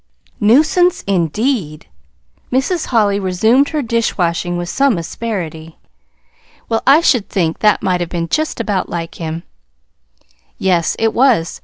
"Nuisance, indeed!" Mrs. Holly resumed her dishwashing with some asperity. "Well, I should think that might have been just about like him." "Yes, it was.